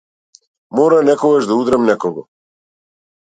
Мора некогаш да удрам некого.